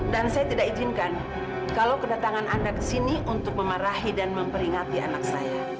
dan saya tidak izinkan kalau kedatangan anda kesini untuk memarahi dan memperingati anak saya